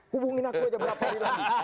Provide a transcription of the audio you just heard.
hubungin aku aja berapa hari lagi